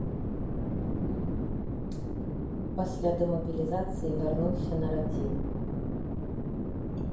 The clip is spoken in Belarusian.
Пасля дэмабілізацыі вярнуўся на радзіму.